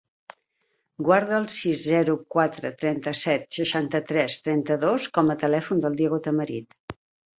Guarda el sis, zero, quatre, trenta-set, seixanta-tres, trenta-dos com a telèfon del Diego Tamarit.